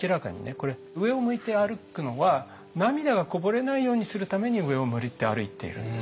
これ上を向いて歩くのは涙がこぼれないようにするために上を向いて歩いているんですよ。